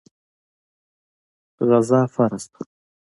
غزا فرض ده.